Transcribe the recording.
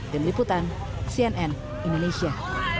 den liputan cnn indonesia